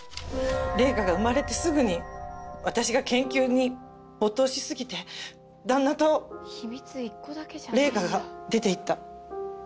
玲香が生まれてすぐに私が研究に没頭し過ぎて旦那と玲香が出て行った。